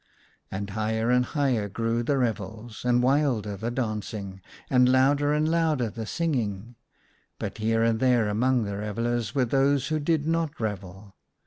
And higher and higher grew the revels, and wilder the dancing, and louder and louder the singing. But here and there among the revellers were those who did not revel.